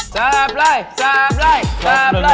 แซปลัดแซปลัดแซปลัด